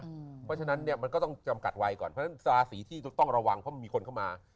เพราะฉะนั้นเนี่ยมันก็ต้องจำกัดวัยก่อนเพราะฉะนั้นราศีที่ต้องระวังเพราะมีคนเข้ามา